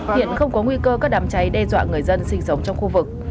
hiện không có nguy cơ các đám cháy đe dọa người dân sinh sống trong khu vực